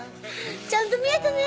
ちゃんと見えたね。